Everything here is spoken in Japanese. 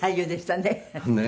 ねえ。